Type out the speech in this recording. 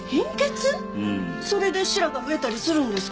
それで白髪増えたりするんですか？